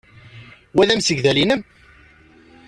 Wa d amsegdal-nnem?